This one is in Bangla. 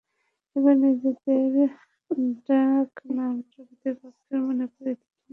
এবার নিজেদের ডাকনামটা প্রতিপক্ষদের মনে করিয়ে দিতে স্টেডিয়ামের অন্দরসজ্জাই পালটে ফেলল।